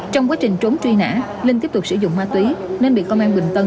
trong quá trình trốn truy nã linh tiếp tục sử dụng ma túy nên bị công an bình tân